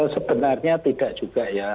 sebenarnya tidak juga ya